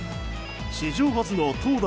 史上初の投打